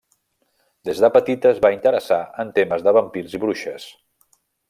Des de petita es va interessar en temes de vampirs i bruixes.